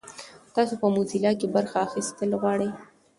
تاسو په موزیلا کې برخه اخیستل غواړئ؟